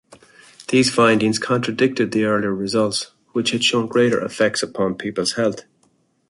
These findings contradicted the earlier results, which had shown greater effects upon people's health.